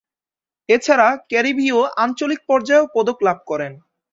এছাড়া ক্যারিবীয় আঞ্চলিক পর্যায়েও পদক লাভ করেন।